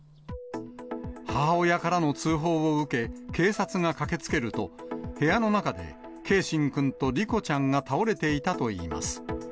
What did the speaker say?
母親からの通報を受け、警察が駆けつけると、部屋の中で継真君と梨心ちゃんが倒れていたといいます。